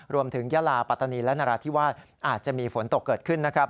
ยาลาปัตตานีและนราธิวาสอาจจะมีฝนตกเกิดขึ้นนะครับ